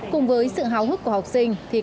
cùng với sự hào hức của học sinh